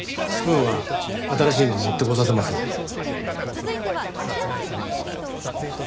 スプーンは新しいのを持ってこさせますので。